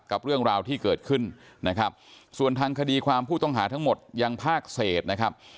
กับเรื่องราวที่เกิดขึ้นนะครับส่วนทางคดีความผู้ต้องหาทั้งหมดยังภาคเศษนะครับ